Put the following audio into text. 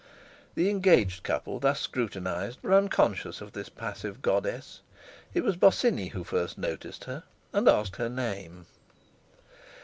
The engaged couple thus scrutinized were unconscious of this passive goddess. It was Bosinney who first noticed her, and asked her name.